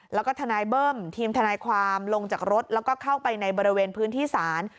แล้วก็ทนายเบิ้มทีมทนายความลงจากรถแล้วก็เข้าไปในบริเวณพื้นที่ศาล